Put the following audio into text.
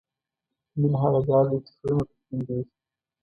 مینه هغه جال دی چې زړونه پکې بندېږي.